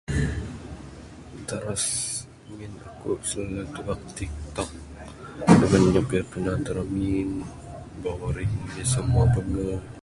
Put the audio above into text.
[unintelligible] ngin aku slalu tubek tiktok wang nyap kayuh tunah da ramin anih semua benge.